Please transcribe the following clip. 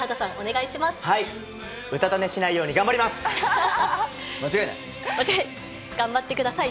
うたた寝しないように、間違いない！頑張ってください。